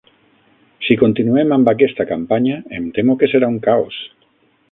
Si continuem amb aquesta campanya, em temo que serà un caos.